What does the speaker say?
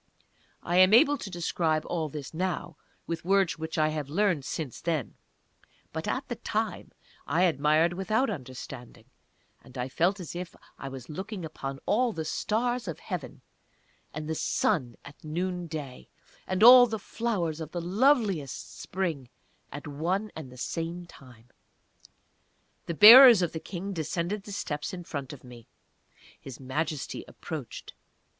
I am able to describe all this now, with words which I have learned since then; but at that time I admired without understanding, and I felt as if I was looking upon all the Stars of Heaven, and the Sun at Noonday, and all the Flowers of the loveliest Spring at one and the same time!... The bearers of the King descended the steps in front of me. His Majesty approached.